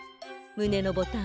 むねのボタン？